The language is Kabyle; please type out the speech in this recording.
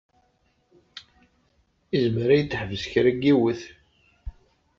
Izmer ad yi-d-teḥbes kra n yiwet.